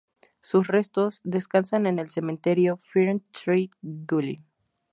Sus restos descansan en el cementerio Fern Tree Gully.